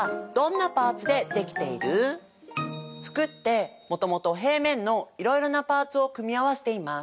服ってもともと平面のいろいろなパーツを組み合わせています。